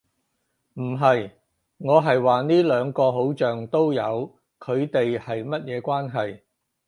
唔係。我係話呢兩個好像都有，佢地係乜嘢關係